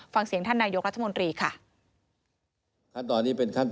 ฟังเสียงท่านนายกรัฐมนตรีค่ะ